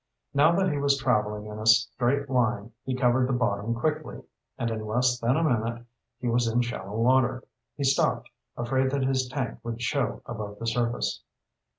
Now that he was traveling in a straight line, he covered the bottom quickly, and in less than a minute he was in shallow water. He stopped, afraid that his tank would show above the surface.